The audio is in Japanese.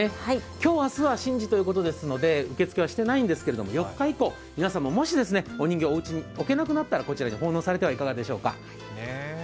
今日、明日は神事ということですので、受け付けはしていないんですけど、４日以降、皆さんももしお人形をおうちに置けなくなったらこちらに奉納されてはいかがでしょうか。